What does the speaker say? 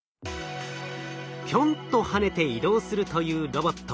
ぴょんと跳ねて移動するというロボット